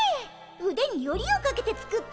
うでによりをかけて作ったよ。